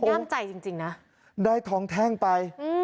ย่ามใจจริงจริงนะได้ทองแท่งไปอืม